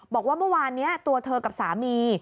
บอกว่าเมื่อวานนี้ตัวเธอกับสามี